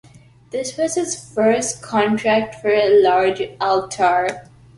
This was his first contract for a large altar.